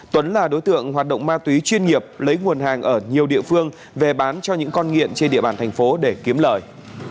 tuấn là đối tượng hoạt động ma túy chuyên nghiệp lấy nguồn hàng ở nhiều địa phương về bán cho những con nghiện trên địa bàn thành phố để kiếm lời